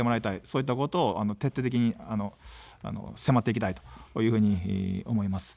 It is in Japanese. そういったことを徹底的に迫っていきたいと思います。